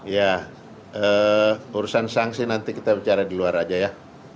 ya urusan sanksi nanti kita bicara di luar aja ya